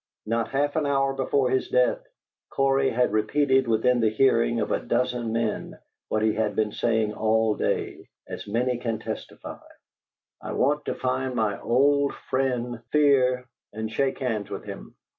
Not half an hour before his death, Cory had repeated within the hearing of a dozen men what he had been saying all day, as many can testify: 'I want to find my old friend Fear and shake hands with him.